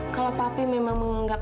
kalau papi memang menganggap